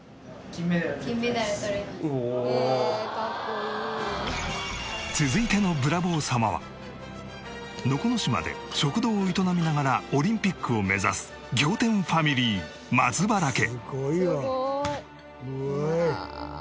「へえかっこいい」続いてのブラボー様は能古島で食堂を営みながらオリンピックを目指す仰天ファミリー松原家！